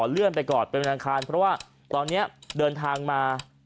ลุงพลจริงแล้วต้องเดินทางไป